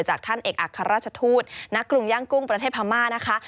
ท่านเอกอัครราชทูตณกรุงย่างกุ้งประเทศพม่านะคะ